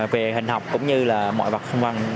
về hình học cũng như mọi vật xung quanh